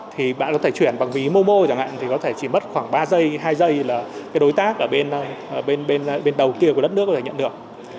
thì bạn có thể chuyển bằng ví momo chẳng hạn thì có thể chỉ mất khoảng ba giây hai giây là cái đối tác ở bên đầu kia của đất nước có thể nhận được